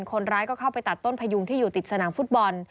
คนร้ายก็เข้าไปตัดต้นพยุงที่อยู่ติดสนามฟุตบอล